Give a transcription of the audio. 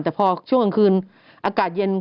แต่พอช่วงกลางคืนอากาศเย็น